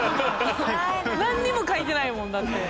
何にも描いてないもんだって。